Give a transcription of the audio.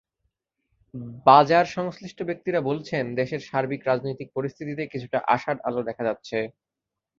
বাজার সংশ্লিষ্ট ব্যক্তিরা বলছেন, দেশের সার্বিক রাজনৈতিক পরিস্থিতিতে কিছুটা আশার আলো দেখা যাচ্ছে।